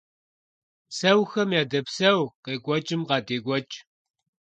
Псэухэм ядэпсэу, къекӀуэкӀым къадекӀуэкӀ.